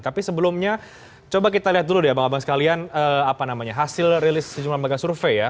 tapi sebelumnya coba kita lihat dulu deh bang abang sekalian apa namanya hasil rilis sejumlah lembaga survei ya